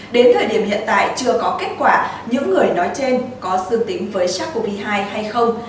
đến thời điểm hiện tại chưa có kết quả những người nói trên có dương tính với sars cov hai hay không